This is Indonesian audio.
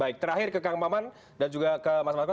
baik terakhir ke kang maman dan juga ke mas mako